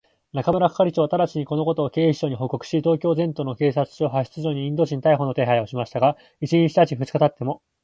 中村係長はただちに、このことを警視庁に報告し、東京全都の警察署、派出所にインド人逮捕の手配をしましたが、一日たち二日たっても、